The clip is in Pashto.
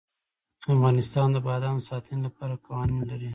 افغانستان د بادام د ساتنې لپاره قوانین لري.